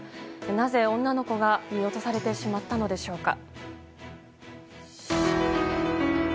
なぜ、女の子が見落とされてしまったのでしょうか。